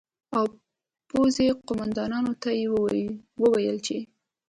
او پوځي قومندانانو ته یې وویل چې